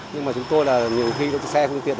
nhưng mà chúng tôi là nhiều khi xe phương tiện